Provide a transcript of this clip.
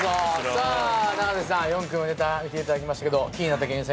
さあ永瀬さん４組のネタ見ていただきましたけど気になった芸人さんいましたか？